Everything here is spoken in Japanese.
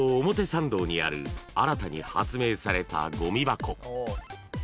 表参道にある新たに発明されたごみ箱］